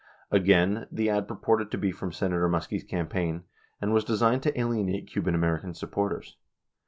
96 Again, the ad purported to be from Senator Muskie's campaign, and was designed to alienate Cuban American supporters.